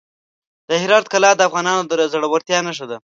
د هرات کلا د افغانانو د زړورتیا نښه ده.